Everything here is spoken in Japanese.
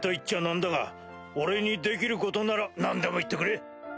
なんだが俺にできることなら何でも言ってくれ。